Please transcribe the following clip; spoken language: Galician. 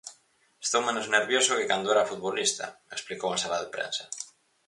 Estou menos nervioso que cando era futbolista, explicou en sala de prensa.